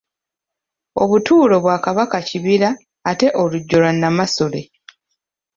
Obutuulo bwa Kabaka kibira ate olujjo lwa Namasole.